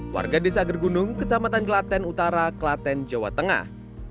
warga desa gergunung kecamatan kelaten utara kelaten jawa tengah